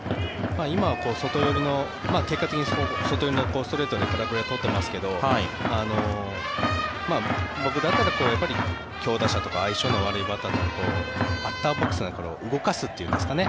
今、外寄りの結果的に外寄りのストレートで空振りを取っていますけど僕だったら強打者とか相性の悪いバッターとバッターボックスから動かすというんですかね。